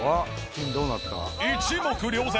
一目瞭然！